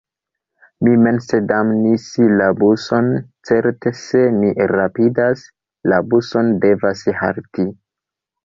Mi mense damnis la buson: certe, se mi rapidas – la buso devas halti.